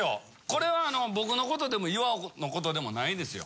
これは僕のことでも岩尾のことでもないですよ。